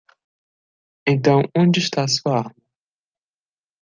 Então onde está sua arma?